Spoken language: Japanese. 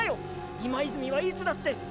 今泉はいつだって。